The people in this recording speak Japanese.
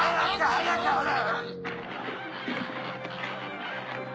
早くほれ！